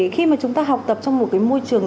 khi mà chúng ta học tập trong một cái môi trường